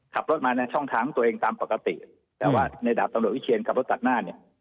ขับรถมาในช่องทางของตัวเองตามปกติแต่ว่าในดาบตำรวจวิเชียนขับรถตัดหน้าเนี่ย